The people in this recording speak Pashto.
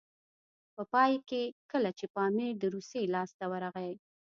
په پای کې کله چې پامیر د روسیې لاسته ورغی.